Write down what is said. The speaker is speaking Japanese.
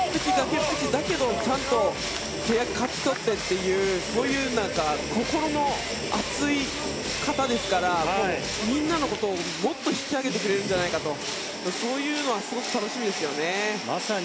渡邊選手、ＮＢＡの舞台でずっと崖っぷちだけどちゃんと契約を勝ち取ってという心の熱い方ですからみんなのことをもっと引き上げてくれるんじゃないかとそういうのは楽しみですね。